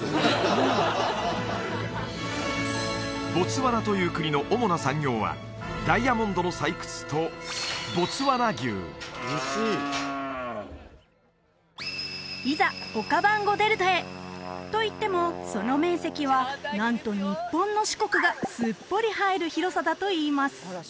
ボツワナという国の主な産業はいざオカバンゴ・デルタへといってもその面積はなんと日本の四国がすっぽり入る広さだといいます